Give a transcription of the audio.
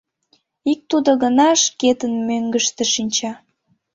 Ик тудо гына шкетын мӧҥгыштӧ шинча.